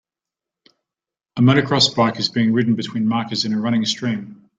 A motocross bike is being ridden between markers in a running stream.